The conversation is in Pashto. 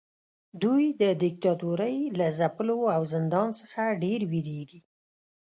دوی د دیکتاتورۍ له ځپلو او زندان څخه ډیر ویریږي.